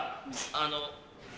あの。